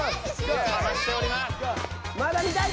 まだ見たい！